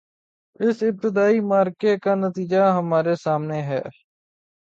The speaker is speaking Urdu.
اس ابتدائی معرکے کا نتیجہ ہمارے سامنے ہے۔